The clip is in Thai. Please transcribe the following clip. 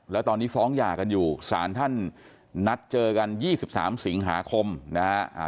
แล้วตอนนี้ฟ้องหย่ากันอยู่ศาลท่านนัดเจอกัน๒๓สิงหาคมนะฮะ